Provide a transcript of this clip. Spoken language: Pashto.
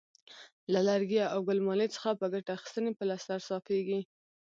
له لرګي او ګل مالې څخه په ګټه اخیستنې پلستر صافیږي.